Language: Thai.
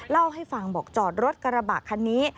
เล่าให้ฟังบอกจอดรถกระบะคันนี้